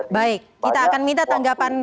baik kita akan minta tanggapan